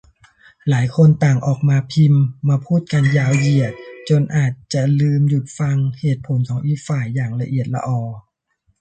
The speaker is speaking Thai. หลายคนต่างออกมาพิมพ์มาพูดกันยาวเหยียด จนอาจจะลืมหยุดฟังเหตุผลของอีกฝ่ายอย่างละเอียดลออ